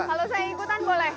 kalau saya ikutan boleh